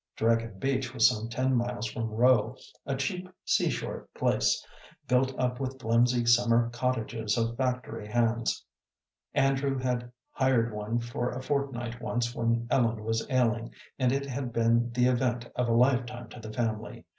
Dragon Beach was some ten miles from Rowe, a cheap seashore place, built up with flimsy summer cottages of factory hands. Andrew had hired one for a fortnight once when Ellen was ailing, and it had been the event of a lifetime to the family.